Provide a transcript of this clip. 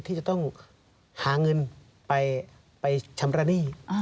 ที่จะต้องหาเงินไปชำระหนี้